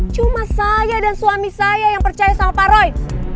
cuma saya dan suami saya yang percaya sama pak roy